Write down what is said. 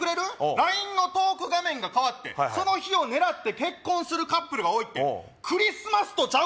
ＬＩＮＥのトーク画面が変わってその日をねらって結婚するカップルが多いってクリスマスとちゃう？